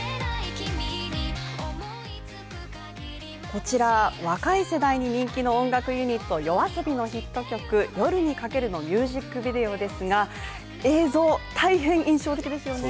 こちら、若い世代に人気の音楽ユニット・ＹＯＡＳＯＢＩのヒット曲「夜に駆ける」のミュージックビデオですが映像、大変印象的ですよね。